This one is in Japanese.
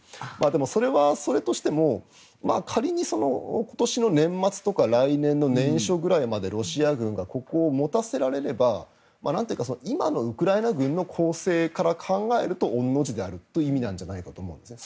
でも、それはそれとしても仮に今年の年末とか来年の年初くらいまでロシア軍がここを持たせられれば今のウクライナ軍の攻勢から考えると御の字であるという意味なんじゃないかなと思うんですね。